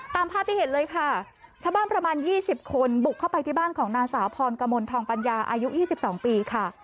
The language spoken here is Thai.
ตามภาพที่เห็นเลยค่ะชาวบ้านประมาณ๒๐คนบุกเข้าไปที่บ้านของนางสาวพรกมลทองปัญญาอายุ๒๒ปีค่ะ